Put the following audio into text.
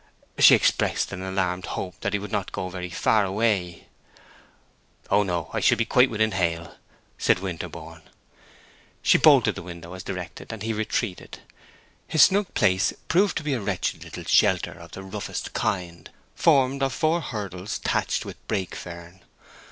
She expressed an alarmed hope that he would not go very far away. "Oh no—I shall be quite within hail," said Winterborne. She bolted the window as directed, and he retreated. His snug place proved to be a wretched little shelter of the roughest kind, formed of four hurdles thatched with brake fern.